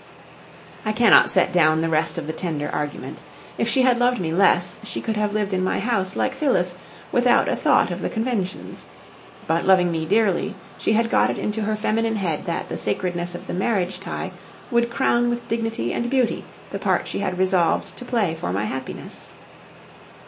I cannot set down the rest of the tender argument. If she had loved me less, she could have lived in my house, like Phyllis, without a thought of the conventions. But loving me dearly, she had got it into her feminine head that the sacredness of the marriage tie would crown with dignity and beauty the part she had resolved to play for my happiness.